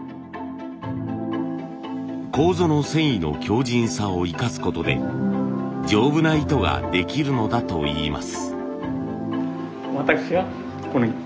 楮の繊維の強じんさを生かすことで丈夫な糸ができるのだといいます。